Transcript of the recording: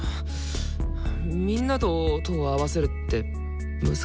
みんなと音を合わせるって難しいなぁと思って。